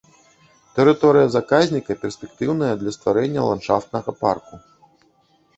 Тэрыторыя заказніка перспектыўныя для стварэння ландшафтнага парку.